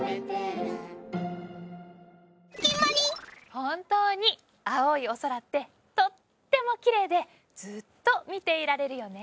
本当に青いお空ってとってもきれいでずっと見ていられるよね！